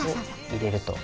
入れると。